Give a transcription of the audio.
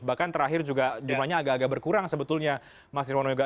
bahkan terakhir juga jumlahnya agak agak berkurang sebetulnya mas nirwono